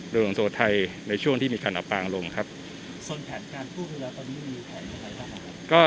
โดยลงโทษไทยในช่วงที่มีการอับปางลงครับส่วนแผนการกู้เรือตอนนี้มีแผนในไหนกันครับ